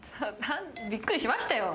びっくりしましたよ。